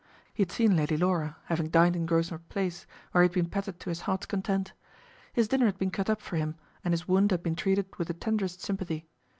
He had seen Lady Laura, having dined in Grosvenor Place, where he had been petted to his heart's content. His dinner had been cut up for him, and his wound had been treated with the tenderest sympathy.